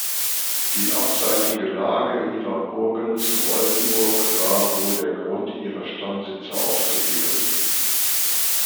Die abseitige Lage ihrer Burgen zu Oldenburg war wohl der Grund ihre Stammsitze aufzugeben.